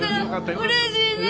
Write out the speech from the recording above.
うれしいねぇ！